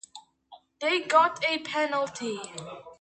They got a penalty.